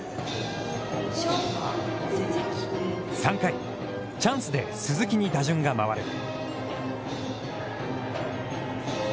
３回、チャンスで鈴木に打順が回る。